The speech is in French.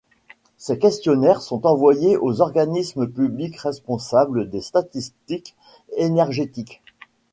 Ces questionnaires sont envoyés aux organismes publics responsables des statistiques énergétiques.